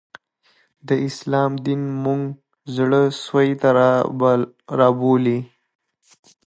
د اسلام دین موږ زړه سوي ته رابولي